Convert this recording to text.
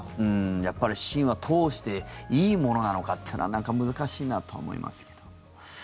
やっぱり芯は通していいものなのかというのは難しいなと思いますけど。